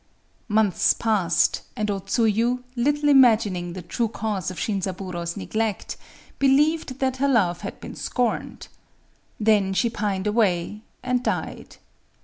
Months passed; and O Tsuyu, little imagining the true cause of Shinzaburō's neglect, believed that her love had been scorned. Then she pined away, and died.